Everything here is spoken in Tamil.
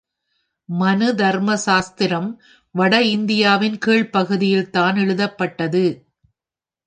மனுதர்ம சாஸ்திரம் வட இந்தியாவின் கீழ்ப்பகுதியில்தான் எழுதப்பட்டது!